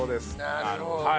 なるほどね。